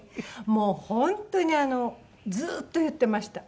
もう本当にあのずーっと言ってました。